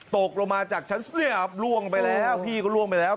ตกลงมาจากชั้นล่วงไปแล้วพี่ก็ล่วงไปแล้ว